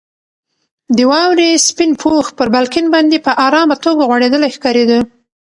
د واورې سپین پوښ پر بالکن باندې په ارامه توګه غوړېدلی ښکارېده.